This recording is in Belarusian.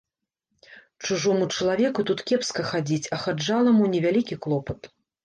Чужому чалавеку тут кепска хадзіць, а хаджаламу не вялікі клопат.